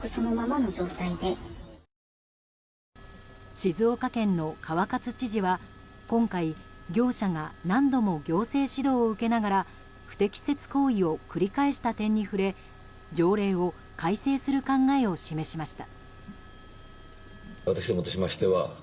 静岡県の川勝知事は今回、業者が何度も行政指導を受けながら不適切行為を繰り返した点に触れ条例を改正する考えを示しました。